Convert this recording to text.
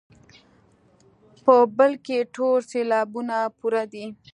په بل کې ټول سېلابونه پوره دي.